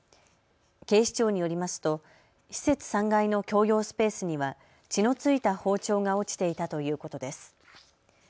警視庁によりますと施設３階の共用スペースには血の付いた包丁が落ちていたということです。